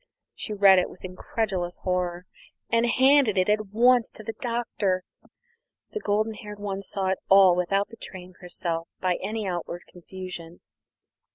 She read it with incredulous horror, and handed it at once to the Doctor. The golden haired one saw it all without betraying herself by any outward confusion.